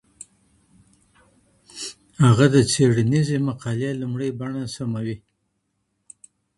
هغه د څېړنیزې مقالي لومړۍ بڼه سموي.